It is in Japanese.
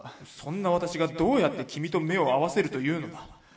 そんな私がどうやって君と目を合わせるというのだ」。